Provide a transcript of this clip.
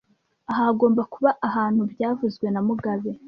Aha hagomba kuba ahantu byavuzwe na mugabe